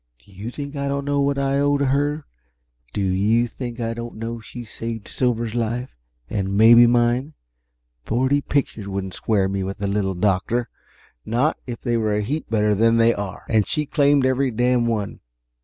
Do you think I don't know what I owe to her? Do you think I don't know she saved Silver's life and maybe mine? Forty pictures wouldn't square me with the Little Doctor not if they were a heap better than they are, and she claimed every darned one.